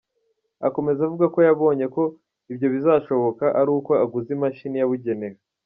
Akomeza avuga ko yabonye ko ibyo bizashoboka ari uko aguze imashini yabugenewe.